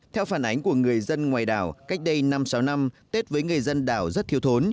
theo phản ánh của người dân ngoài đảo cách đây năm sáu năm tết với người dân đảo rất thiếu thốn